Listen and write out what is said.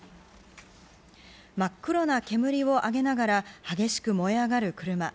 真っ黒な煙を上げながら激しく燃え上がる車。